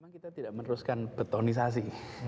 kita tidak meneruskan betonisasi